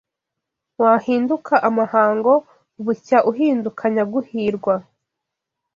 Wahinduka amahango Bucya uhinduka Nyaguhirwa